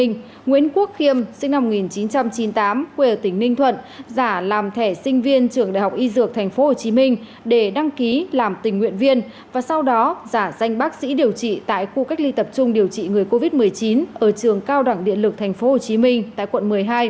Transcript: nguyễn quốc khiêm sinh năm một nghìn chín trăm chín mươi tám quê ở tỉnh ninh thuận giả làm thẻ sinh viên trường đại học y dược tp hcm để đăng ký làm tình nguyện viên và sau đó giả danh bác sĩ điều trị tại khu cách ly tập trung điều trị người covid một mươi chín ở trường cao đẳng điện lực tp hcm tại quận một mươi hai